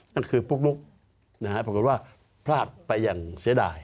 นั่นคือพวกนุกปรากฏว่าพลาดไปอย่างเสียดาย